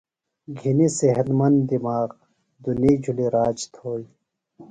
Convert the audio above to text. گھِنیۡ صحت مند دِماغ، دُنیئی جُھلیۡ راج تھوئیۡ